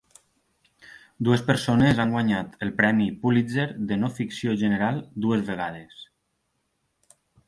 Dues persones han guanyat el Premi Pulitzer de No ficció General dues vegades.